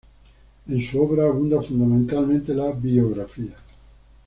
En su obra abunda fundamentalmente la biografía.